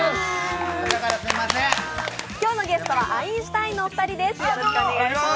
今日のゲストはアインシュタインのお二人です。